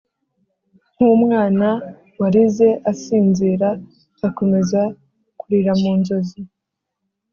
nkumwana warize asinzira akomeza kurira mu nzozi.